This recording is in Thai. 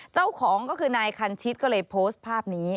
เจ้าของก็คือนายคันชิดก็เลยโพสต์ภาพนี้